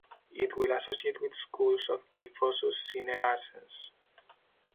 It will associate with schools of "Kyphosus cinerascens".